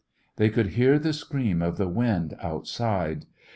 They could hear the scream of the wind outside.